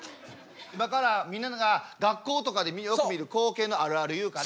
今からみんなが学校とかでよく見る光景のあるある言うから。